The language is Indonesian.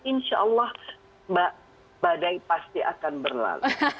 insya allah mbak badai pasti akan berlalu